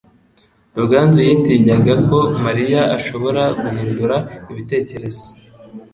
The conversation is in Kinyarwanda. Ruganzu yatinyaga ko Mariya ashobora guhindura ibitekerezo.